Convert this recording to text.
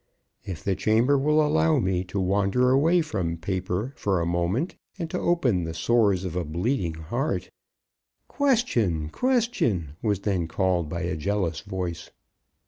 "If the chamber will allow me to wander away from paper for a moment, and to open the sores of a bleeding heart " "Question, question," was then called by a jealous voice.